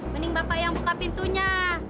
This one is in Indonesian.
mending bapak yang buka pintunya